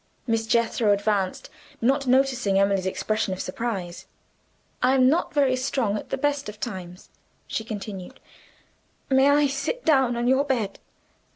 Miss Jethro advanced, not noticing Emily's expression of surprise. "I am not very strong at the best of times," she continued, "may I sit down on your bed?"